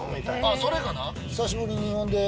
それかな？